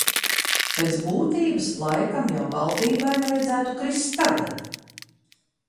Pēc būtības, laikam jau valdībai vajadzētu krist tagad.